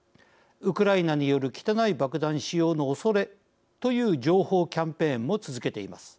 ウクライナによる汚い爆弾使用のおそれという情報キャンペーンも続けています。